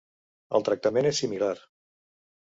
El tractament és similar.